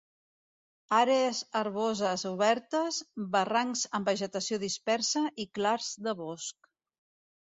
Àrees herboses obertes, barrancs amb vegetació dispersa i clars de bosc.